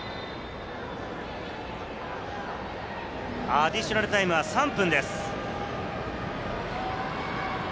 アディショナルタイムは３分です。